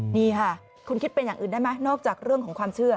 นี่ค่ะคุณคิดเป็นอย่างอื่นได้ไหมนอกจากเรื่องของความเชื่อ